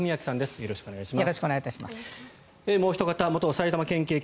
よろしくお願いします。